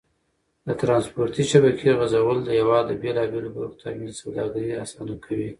د ترانسپورتي شبکې غځول د هېواد د بېلابېلو برخو تر منځ سوداګري اسانه کوي.